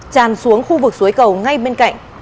tràn xuống khu vực suối cầu ngay bên cạnh